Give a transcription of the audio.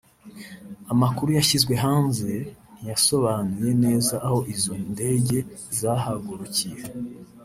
Amakuru yashyizwe hanze ntiyasobanuye neza aho izo ndege zahagurukiye